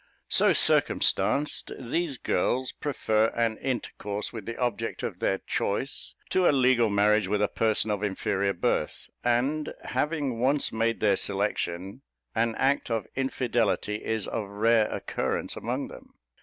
So circumstanced, these girls prefer an intercourse with the object of their choice to a legal marriage with a person of inferior birth; and, having once made their selection, an act of infidelity is of rare occurrence among them.